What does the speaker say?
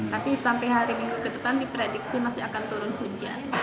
tapi sampai hari minggu ke depan diprediksi masih akan turun hujan